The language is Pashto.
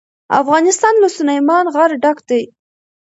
افغانستان له سلیمان غر ډک دی.